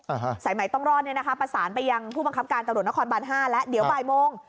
ฮะสายใหม่ต้องรอดเนี้ยนะคะประสานไปยังผู้บังคับการตำรวจนครบานห้าแล้วเดี๋ยวบ่ายโมง